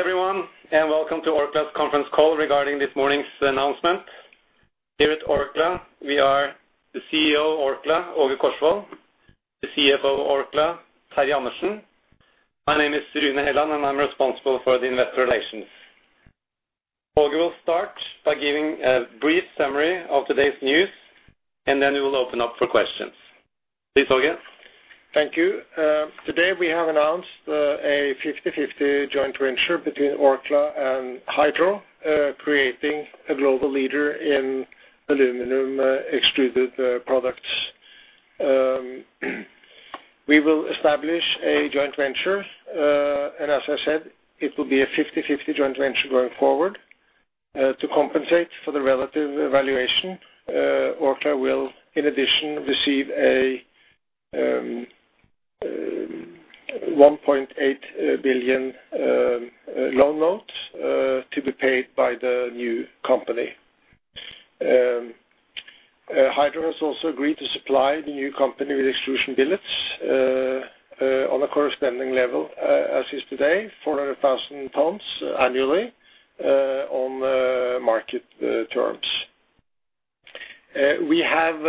Hello, everyone. Welcome to Orkla's Conference Call regarding this morning's announcement. Here at Orkla, we are the CEO of Orkla, Åge Korsvold, the CFO of Orkla, Terje Andersen. My name is Rune Helland, and I'm responsible for the investor relations. Åge, we'll start by giving a brief summary of today's news, and then we will open up for questions. Please, Åge. Thank you. Today, we have announced a 50/50 joint venture between Orkla and Hydro, creating a global leader in aluminum extruded products. We will establish a joint venture, and as I said, it will be a 50/50 joint venture going forward. To compensate for the relative valuation, Orkla will, in addition, receive a 1.8 billion loan note to be paid by the new company. Hydro has also agreed to supply the new company with extrusion billets on a corresponding level as is today, 400,000 tons annually, on market terms. We have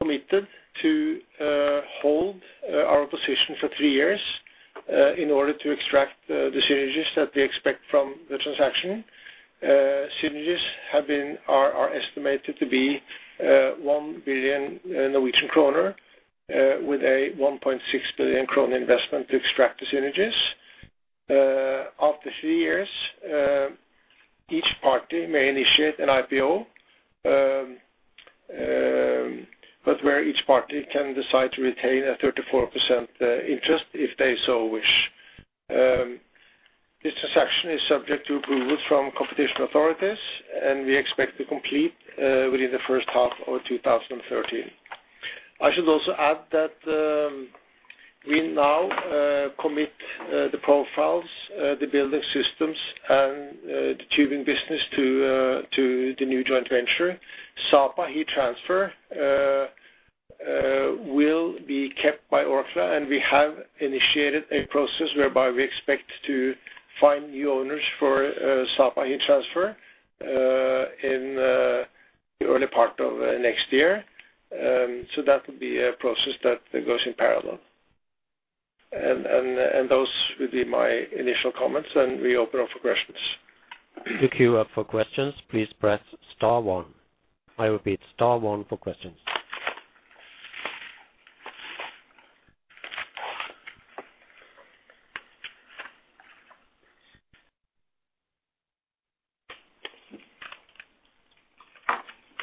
committed to hold our position for three years in order to extract the synergies that we expect from the transaction. Synergies are estimated to be 1 billion Norwegian kroner with a 1.6 billion kroner investment to extract the synergies. After three years, each party may initiate an IPO, but where each party can decide to retain a 34% interest if they so wish. This transaction is subject to approval from competition authorities, and we expect to complete within the first half of 2013. I should also add that we now commit the profiles, the Building Systems, and the Tubing business to the new joint venture. Sapa Heat Transfer will be kept by Orkla, and we have initiated a process whereby we expect to find new owners for Sapa Heat Transfer in the early part of next year. That will be a process that goes in parallel. Those will be my initial comments, and we open up for questions. To queue up for questions, please press star one. I repeat, star one for questions.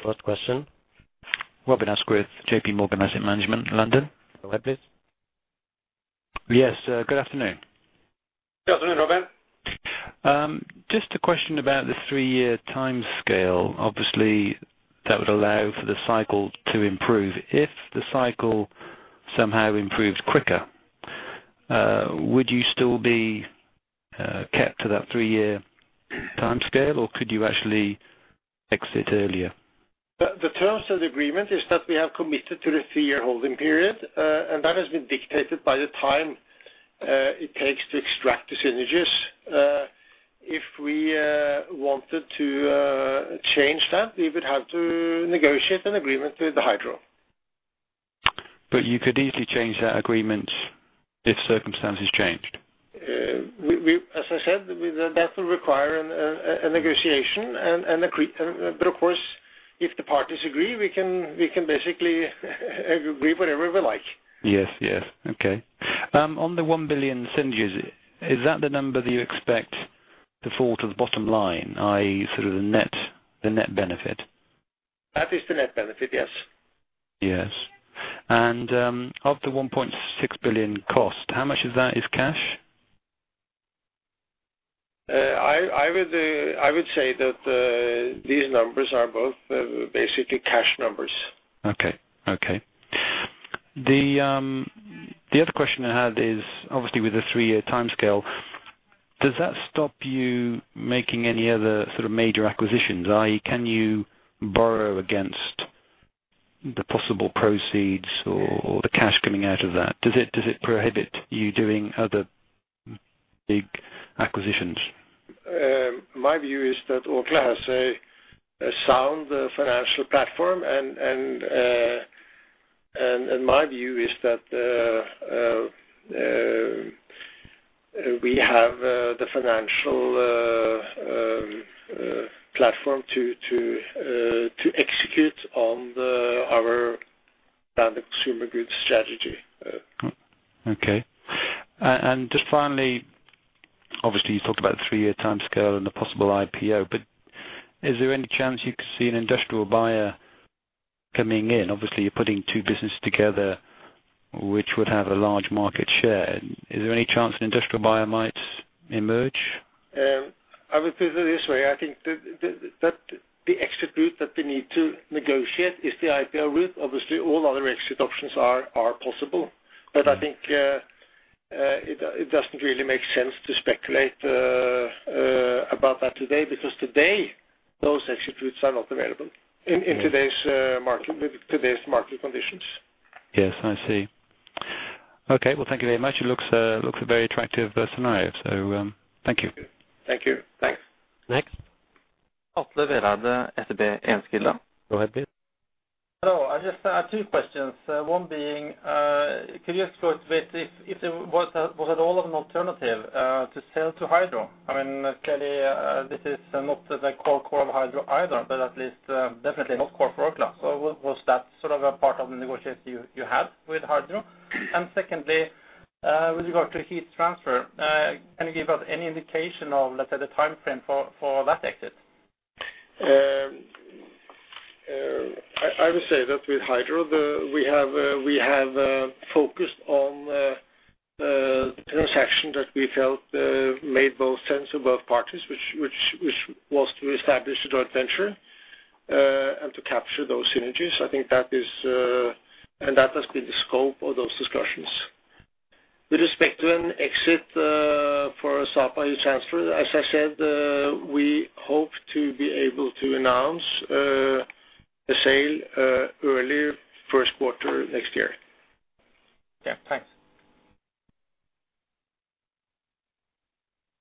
First question. Robin Asquith, J.P. Morgan Asset Management, London. Go ahead, please. Yes, good afternoon. Good afternoon, Robin. Just a question about the three-year timescale. Obviously, that would allow for the cycle to improve. If the cycle somehow improves quicker, would you still be kept to that three-year timescale, or could you actually exit earlier? The terms of the agreement is that we have committed to the three-year holding period, and that has been dictated by the time, it takes to extract the synergies. If we wanted to change that, we would have to negotiate an agreement with the Hydro. You could easily change that agreement if circumstances changed? As I said, we, that will require a negotiation and agree. Of course, if the parties agree, we can basically agree whatever we like. Yes, yes. Okay. On the 1 billion synergies, is that the number that you expect to fall to the bottom line, i.e., sort of the net, the net benefit? That is the net benefit, yes. Yes. Of the 1.6 billion cost, how much of that is cash? I would say that these numbers are both basically cash numbers. Okay, okay. The, the other question I had is, obviously, with the three-year timescale, does that stop you making any other sort of major acquisitions, i.e., can you borrow against the possible proceeds or the cash coming out of that? Does it prohibit you doing other big acquisitions? My view is that Orkla has a sound financial platform, and my view is that we have the financial platform to execute on our consumer goods strategy. Okay. Just finally, obviously, you talked about the three-year timescale and the possible IPO. Is there any chance you could see an industrial buyer coming in? Obviously, you're putting two businesses together, which would have a large market share. Is there any chance an industrial buyer might emerge? I would put it this way: I think that the exit route that we need to negotiate is the IPO route. Obviously, all other exit options are possible, but I think it doesn't really make sense to speculate about that today, because today, those exit routes are not available in today's market, with today's market conditions. Yes, I see. Okay, well, thank you very much. It looks a very attractive scenario, so, thank you. Thank you. Thanks. Next. Go ahead, please. Hello, I just have two questions. One being, can you explain a bit if there was at all of an alternative to sell to Hydro? I mean, clearly, this is not the core of Hydro either, but at least, definitely not core for Orkla. Was that sort of a part of the negotiation you had with Hydro? Secondly, with regard to heat transfer, can you give us any indication of, let's say, the timeframe for that exit? I would say that with Hydro, we have focused on transaction that we felt made both sense to both parties, which was to establish a joint venture and to capture those synergies. I think that is and that has been the scope of those discussions. With respect to an exit for Sapa Heat Transfer, as I said, we hope to be able to announce the sale early first quarter next year. Yeah, thanks.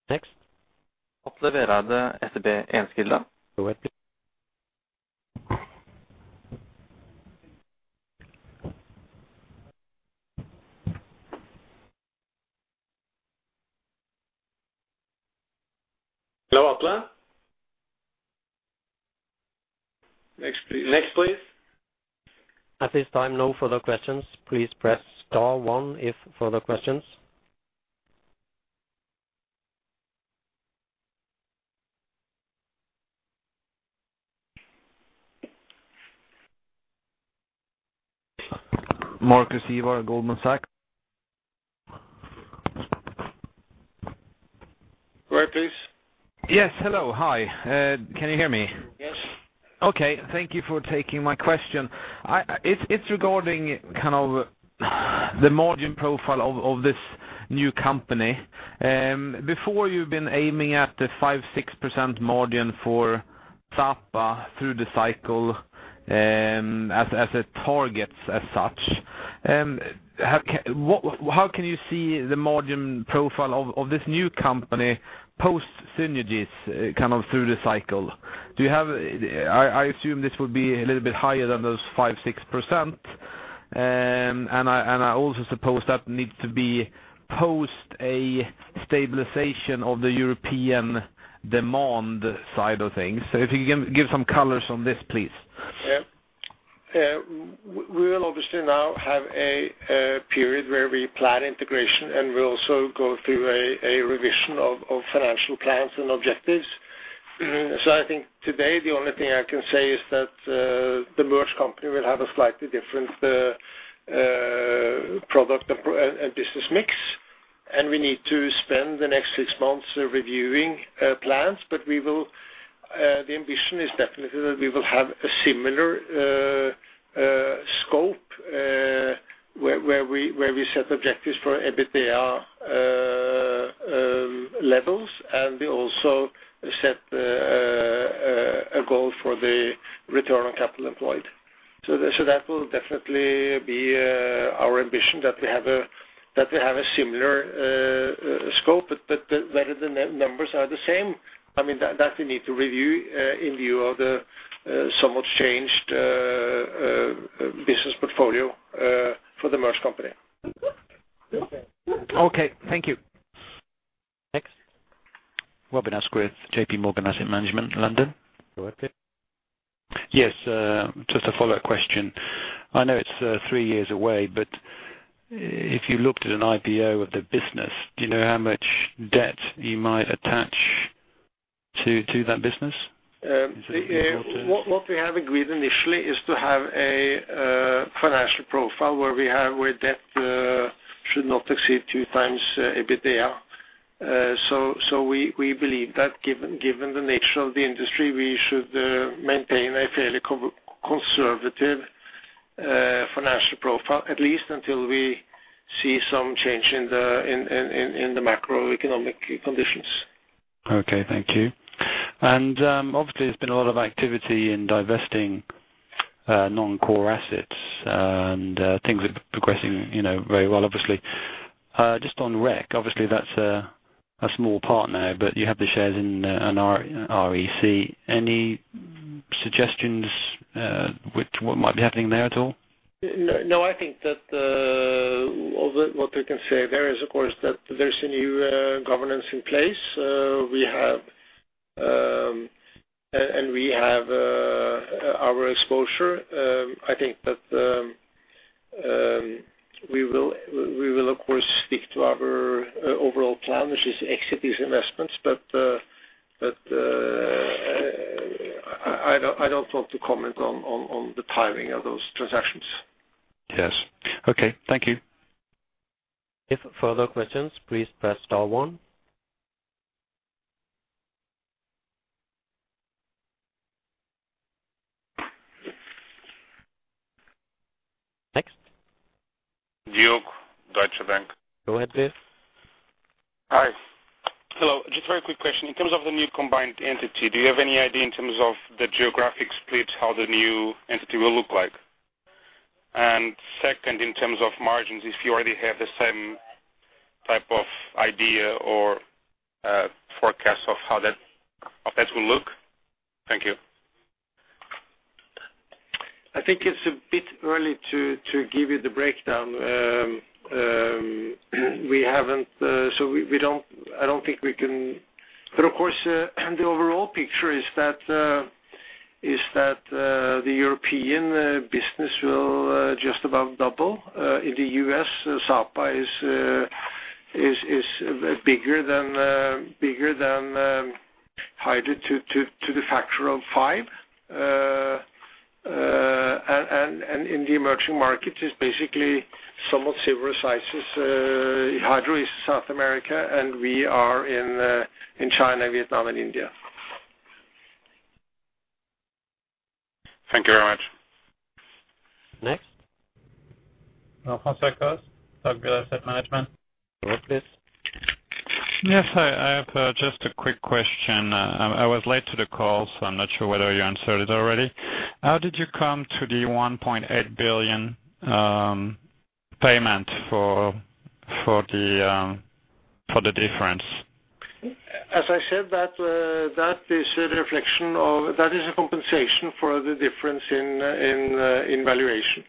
Next? Next, please. At this time, no further questions. Please press star one if further questions. Marcus Ivar, Goldman Sachs. Go ahead, please. Yes, hello. Hi. Can you hear me? Yes. Okay. Thank you for taking my question. It's, it's regarding kind of the margin profile of this new company. Before you've been aiming at the 5%-6% margin for Sapa through the cycle, as a target as such, how can you see the margin profile of this new company post synergies, kind of through the cycle? Do you have? I assume this will be a little bit higher than those 5%-6%. I also suppose that needs to be post a stabilization of the European demand side of things. If you can give some colors on this, please. Yeah. We will obviously now have a period where we plan integration, and we'll also go through a revision of financial plans and objectives. I think today, the only thing I can say is that the merged company will have a slightly different product and business mix, and we need to spend the next six months reviewing plans. We will, the ambition is definitely that we will have a similar scope where we set objectives for EBITDA levels, and we also set a goal for the Return on Capital Employed. So that will definitely be our ambition, that we have a similar scope, but whether the numbers are the same, I mean, that we need to review in view of the somewhat changed business portfolio for the merged company. Okay. Thank you. Next. Robin Asquith, J.P. Morgan Asset Management, London. Go ahead, please. Yes, just a follow-up question. I know it's, three years away, but if you looked at an IPO of the business, do you know how much debt you might attach to that business? What we have agreed initially is to have a financial profile where debt should not exceed two times EBITDA. We believe that given the nature of the industry, we should maintain a fairly conservative financial profile, at least until we see some change in the macroeconomic conditions. Okay, thank you. Obviously, there's been a lot of activity in divesting, non-core assets, and, things are progressing, you know, very well, obviously. Just on REC, obviously, that's a small part now, but you have the shares in REC. Any suggestions, which what might be happening there at all? No, I think that what we can say there is, of course, that there's a new governance in place. We have our exposure. I think that we will of course, stick to our overall plan, which is exit these investments. I don't want to comment on the timing of those transactions. Yes. Okay, thank you. If further questions, please press star one. Next? Diogo, Deutsche Bank. Go ahead, please. Hi. Hello, just a very quick question. In terms of the new combined entity, do you have any idea in terms of the geographic split, how the new entity will look like? Second, in terms of margins, if you already have the same type of idea or forecast of how that will look? Thank you. I think it's a bit early to give you the breakdown. We haven't, so I don't think we can. Of course, the overall picture is that the European business will just about double. In the U.S., Sapa is bigger than Hydro to the factor of five. In the emerging market, it's basically somewhat similar sizes. Hydro is South America, and we are in China, Vietnam, and India. Thank you very much. Next? Francois Koch, Bank of Asset Management. Go ahead, please. I have just a quick question. I was late to the call, so I'm not sure whether you answered it already. How did you come to the 1.8 billion payment for the difference? As I said, that is a compensation for the difference in, in valuation.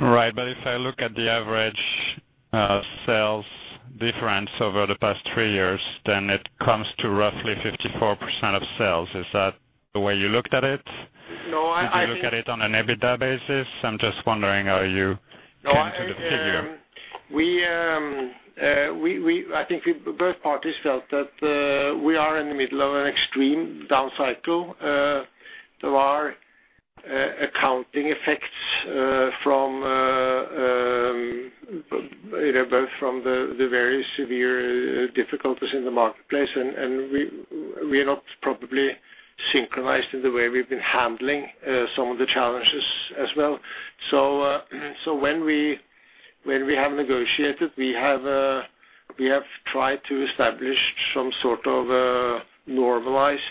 Right. If I look at the average, sales difference over the past three years, it comes to roughly 54% of sales. Is that the way you looked at it? No, I think. Did you look at it on an EBITDA basis? I'm just wondering how you came to the figure. No, I think both parties felt that we are in the middle of an extreme down cycle. There are accounting effects from, you know, both from the very severe difficulties in the marketplace, and we are not probably synchronized in the way we've been handling some of the challenges as well. When we have negotiated, we have tried to establish some sort of normalized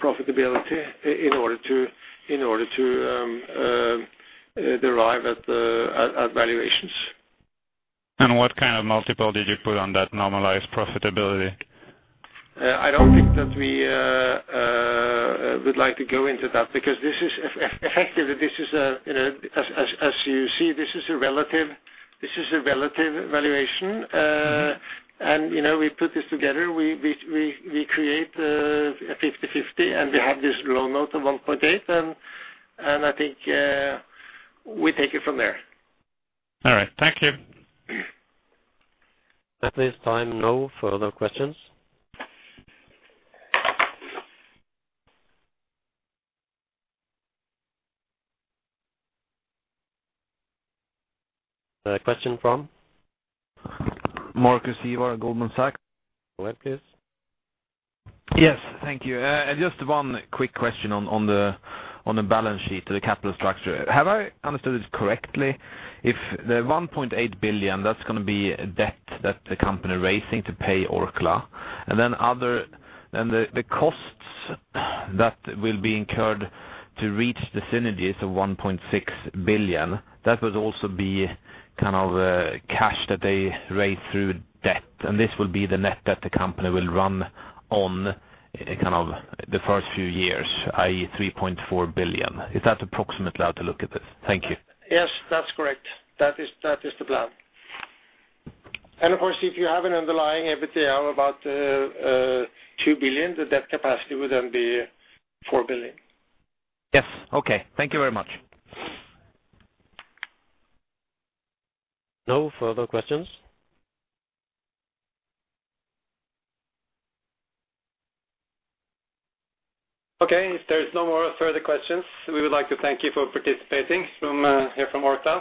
profitability in order to derive at the valuations. What kind of multiple did you put on that normalized profitability? I don't think that we would like to go into that because this is effectively, this is, you know, as you see, this is a relative valuation. You know, we put this together, we create a 50/50, and we have this loan note of 1.8, and I think we take it from there. All right. Thank you. At this time, no further questions? question from? Marcus Ivarsson, Goldman Sachs. Go ahead, please. Yes, thank you. Just one quick question on the balance sheet, the capital structure. Have I understood it correctly, if the 1.8 billion, that's gonna be a debt that the company raising to pay Orkla, then the costs that will be incurred to reach the synergies of 1.6 billion, that would also be kind of cash that they raise through debt, and this will be the net that the company will run on, in kind of the first few years, i.e., 3.4 billion? Is that approximately how to look at this? Thank you. Yes, that's correct. That is the plan. Of course, if you have an underlying EBITDA about 2 billion, the debt capacity would be 4 billion. Yes. Okay. Thank you very much. No further questions? Okay, if there is no more further questions, we would like to thank you for participating from here from Orkla.